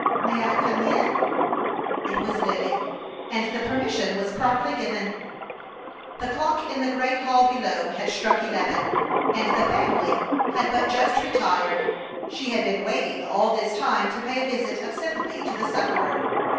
"May I come in?" It was Lily, and the permission was promptly given. The clock in the great hall below had struck eleven, and the family had but just retired. She had been waiting all this time to pay a visit of sympathy to the sufferer.